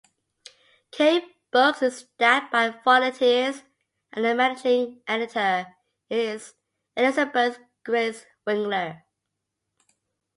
Cave Books is staffed by volunteers, and the managing editor is Elizabeth Grace Winkler.